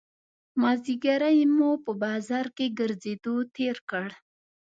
مازیګری مو په بازار کې ګرځېدو تېر کړ.